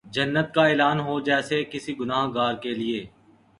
جنت کا اعلان ہو جیسے کسی گناہ گار کیلئے